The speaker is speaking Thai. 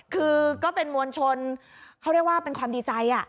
คือก็เป็นมวลชนเขาเรียกว่าเป็นความดีใจ